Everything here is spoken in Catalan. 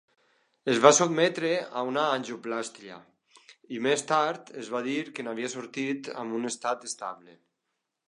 Es va sotmetre a una angioplàstia i, més tard, es va dir que n'havia sortit amb un estat estable.